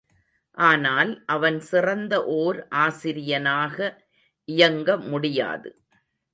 ஆனால், அவன் சிறந்த ஓர் ஆசிரியனாக இயங்க முடியாது!